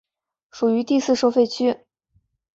属于第四收费区。